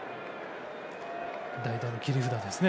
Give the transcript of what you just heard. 代打の切り札ですね。